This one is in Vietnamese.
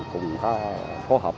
cũng khó hợp